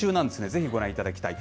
ぜひご覧いただきたい。